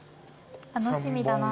楽しみだな。